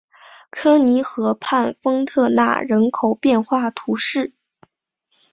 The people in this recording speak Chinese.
科尼河畔丰特奈人口变化图示